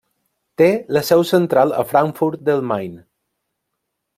Té la seu central a Frankfurt del Main.